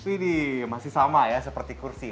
widih masih sama ya seperti kursi